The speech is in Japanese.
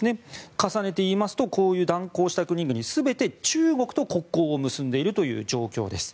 重ねて言いますとこういう断交した国々は全て中国と国交を結んでいるという状況です。